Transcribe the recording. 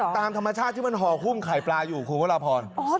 ตามธรรมชาติที่มันห่อหุ้มไข่ปลาอยู่คุณวรพร